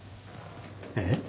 えっ？